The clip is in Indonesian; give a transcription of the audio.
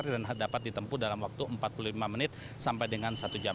dan dapat ditempuh dalam waktu empat puluh lima menit sampai dengan satu jam